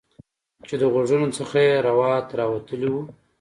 چې د غوږونو څخه یې روات راوتلي وو